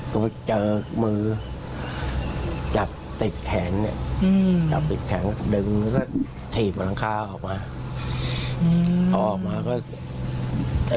ก็เจอมือจับติดแขนจับติดแขนดึงแล้วก็ถีบหลังคาออกมา